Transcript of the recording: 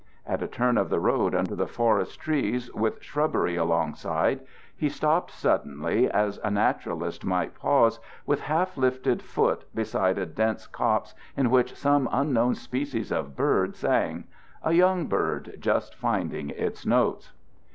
At a turn of the road under the forest trees with shrubbery alongside he stopped suddenly, as a naturalist might pause with half lifted foot beside a dense copse in which some unknown species of bird sang a young bird just finding its notes.